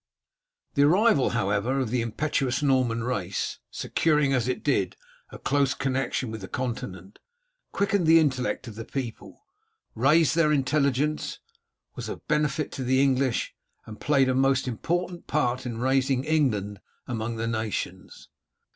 The arrival, however, of the impetuous Norman race, securing as it did a close connection with the Continent, quickened the intellect of the people, raised their intelligence, was of inestimable benefit to the English, and played a most important part in raising England among the nations.